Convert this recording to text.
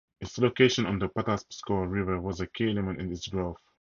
Its location on the Patapsco River was a key element in its growth.